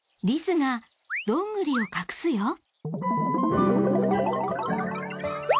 リスがどんぐりを隠すよ